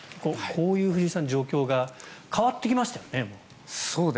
こういう状況が変わってきましたよね、もう。